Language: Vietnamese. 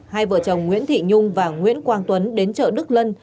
hai vợ chồng nguyễn thị nhung và nguyễn quang tuấn đến chợ đức lân